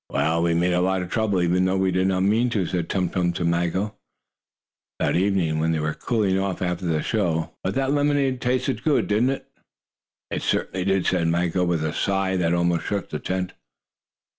"Well, we made a lot of trouble, even though we did not mean to," said Tum Tum to Maggo that evening, when they were cooling off after the show. "But that lemonade tasted good, didn't it?" "It certainly did," said Maggo with a sigh that almost shook the tent.